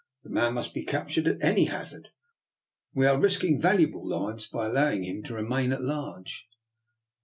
" The man must be captured at any hazard; we are risking valuable lives by allow ing him to remain at large."